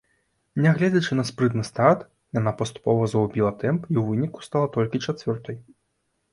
Нягледзячы на спрытны старт яна паступова згубіла тэмп і ў выніку стала толькі чацвёртай.